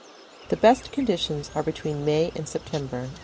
The best conditions are between May and September.